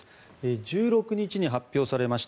１６日に発表されました